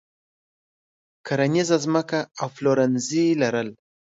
کرنیزه ځمکه او پلورنځي لرل.